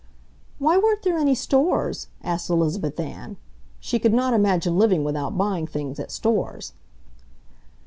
"Why, weren't there any stores?" asked Elizabeth Ann. She could not imagine living without buying things at stores.